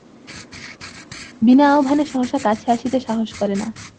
বিনা আহ্বানে সহসা কাছে আসিতে সাহস করে না।